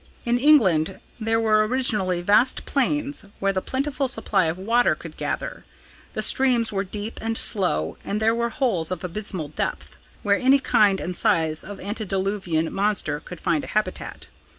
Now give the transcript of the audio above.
In England there were originally vast plains where the plentiful supply of water could gather. The streams were deep and slow, and there were holes of abysmal depth, where any kind and size of antediluvian monster could find a habitat.